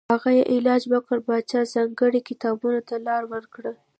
هغه یې علاج وکړ پاچا ځانګړي کتابتون ته لاره ورکړه.